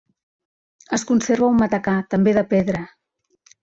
Es conserva un matacà també de pedra.